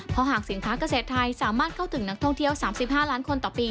เพราะหากสินค้าเกษตรไทยสามารถเข้าถึงนักท่องเที่ยว๓๕ล้านคนต่อปี